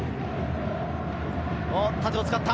縦を使った！